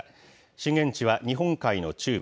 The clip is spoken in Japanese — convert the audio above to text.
震源地は日本海の中部。